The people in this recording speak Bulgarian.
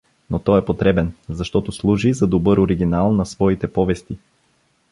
Но той е потребен, защото служи за добър оригинал на своите повести.